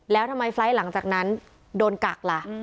แล้วทำไมไฟล์ทหลังจากนั้นโดนกักล่ะ